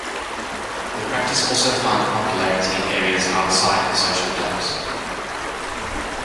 The practice also found popularity in areas outside of social clubs.